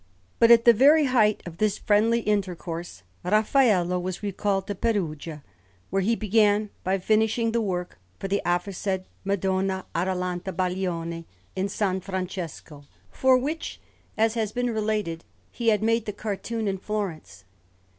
But at the very height of this friendly intercourse, Raffaello was recalled to Perugia, where he began by finishing the work for the aforesaid Madonna Atalanta Baglioni in S. Francesco, for which, as has been related, he had made the cartoon in Florence.